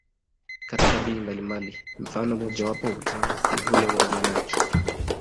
Katika dini mbalimbali, mfano mmojawapo wa utawa ni ule wa wamonaki.